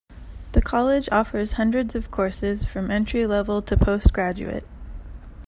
The college offers hundreds of courses from Entry Level to post-graduate.